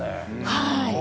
はい。